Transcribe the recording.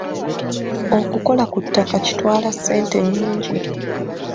Okukola ku ttaka kitwala ssente nnyingi.